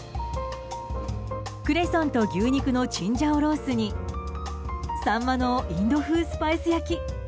クレソンと牛肉のチンジャオロースにさんまのインド風スパイス焼き。